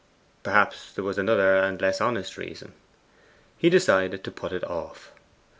Perhaps there was another and less honest reason. He decided to put it off.